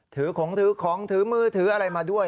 ถือของถือของถือมือถืออะไรมาด้วย